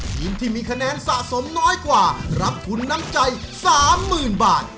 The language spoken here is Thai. ทีมที่มีคะแนนสะสมน้อยกว่ารับทุนน้ำใจ๓๐๐๐บาท